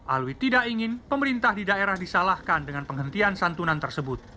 alwi tidak ingin pemerintah di daerah disalahkan dengan penghentian santunan tersebut